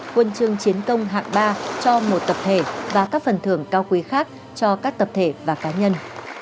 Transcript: huân chương chiến công hạng ba cho một tập thể và các phần thưởng cao quý khác cho các tập thể và cá nhân